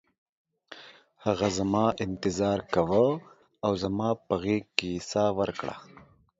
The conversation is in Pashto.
هغه زما انتظار کاوه او زما په غیږ کې یې ساه ورکړه